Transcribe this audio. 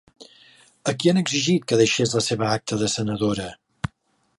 A qui han exigit que deixés la seva acta de senadora?